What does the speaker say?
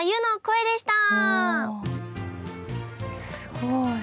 すごい。